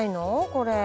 これ。